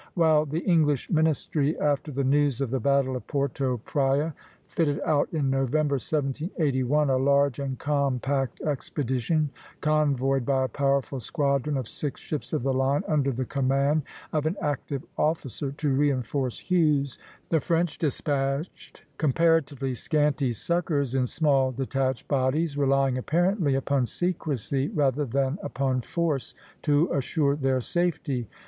While the English ministry, after the news of the battle of Porto Praya, fitted out in November, 1781, a large and compact expedition, convoyed by a powerful squadron of six ships of the line, under the command of an active officer, to reinforce Hughes, the French despatched comparatively scanty succors in small detached bodies, relying apparently upon secrecy rather than upon force to assure their safety.